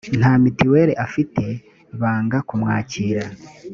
nta mutuel afite banga kumwakira